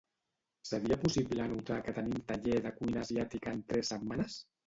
Seria possible anotar que tenim taller de cuina asiàtica en tres setmanes?